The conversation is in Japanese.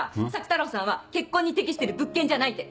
朔太郎さんは「結婚に適してる物件じゃない」って。